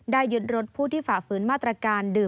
ได้ยึดรถผู้ที่ฝ่าฝืนมาตรการ